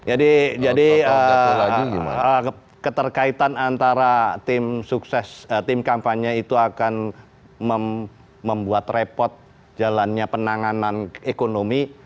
jadi keterkaitan antara tim sukses tim kampanye itu akan membuat repot jalannya penanganan ekonomi